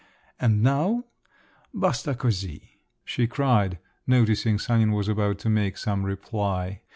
And now, basta cosi!" she cried, noticing Sanin was about to make some reply.